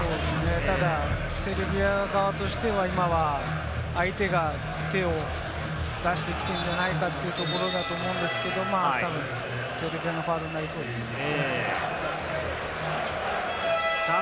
ただセルビア側としても、今は相手が手を出してきてるんじゃないかというところだと思うんですけれども、ファウルになりそうですね。